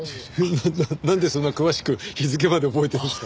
ななんでそんなに詳しく日付まで覚えてるんですか？